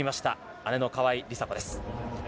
姉の川井梨紗子です。